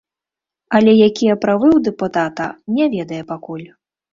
Але якія правы ў дэпутата, не ведае пакуль.